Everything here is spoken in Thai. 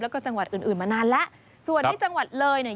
แล้วก็จังหวัดอื่นอื่นมานานแล้วส่วนที่จังหวัดเลยเนี่ย